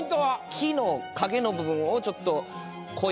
木の影の部分をちょっと。